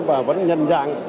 và vẫn nhanh dạng